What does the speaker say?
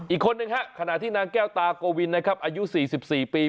อีกคนนึงฮะขณะที่นางแก้วตาโกวินนะครับอายุ๔๔ปี